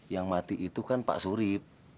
yang mati itu kan pak surip